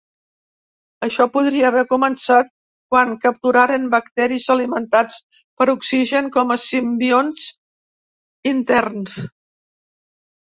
Això podria haver començat quan capturaren bacteris alimentats per oxigen com a simbionts interns.